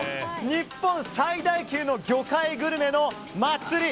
日本最大級の魚介グルメの祭り。